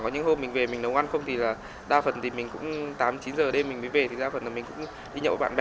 nhưng hôm mình về mình nấu ăn không thì là đa phần thì mình cũng tám chín giờ đêm mình mới về thì đa phần là mình cũng đi nhậu bạn bè